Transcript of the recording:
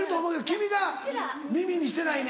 君が耳にしてないねん。